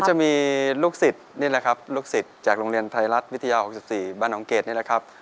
จะมีลูกศิษย์นี่แหละครับลูกศิษย์จากโรงเรียนไทยรัฐวิทยา๖๔บ้านน้องเกดนี่แหละครับ